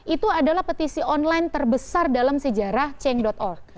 itu adalah petisi online terbesar dalam sejarah cheng org